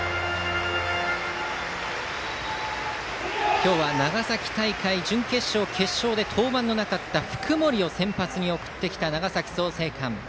今日は長崎大会準決勝、決勝で登板のなかった福盛を先発に送ってきた長崎・創成館。